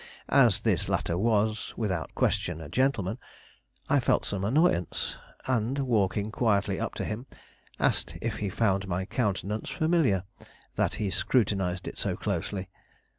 As this latter was, without question, a gentleman, I felt some annoyance, and, walking quietly up to him, asked if he found my countenance familiar, that he scrutinized it so closely.